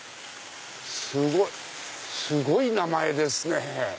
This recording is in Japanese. すごいすごい名前ですね。